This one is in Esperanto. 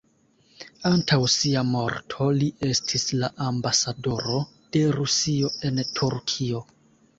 Antaŭ sia morto li estis la ambasadoro de Rusio en Turkio.